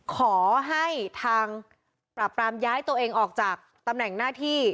ขอให้ทางปราบรามย้ายตัวเองออกจากตำแหน่งหน้าที่